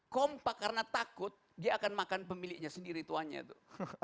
kompak karena takut dia akan makan pemiliknya sendiri tuannya tuh